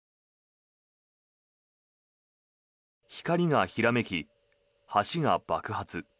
光がひらめき、橋が爆発。